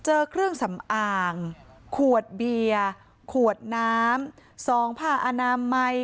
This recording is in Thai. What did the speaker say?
เจอเครื่องสำอางขวดเบียร์ขวดน้ำ๒ผ้าอนามัย